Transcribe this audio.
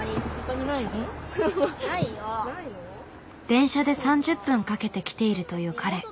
電車で３０分かけて来ているという彼。